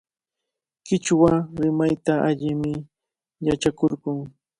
Qichwa rimayta allimi yachakurqun.